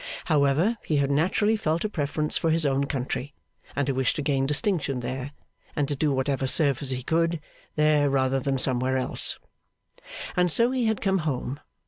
However, he had naturally felt a preference for his own country, and a wish to gain distinction there, and to do whatever service he could do, there rather than elsewhere. And so he had come home.